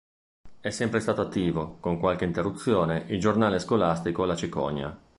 È sempre stato attivo, con qualche interruzione, il giornale scolastico "La Cicogna.